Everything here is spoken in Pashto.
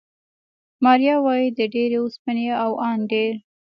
ماریا وايي، د ډېرې اوسپنې او ان ډېر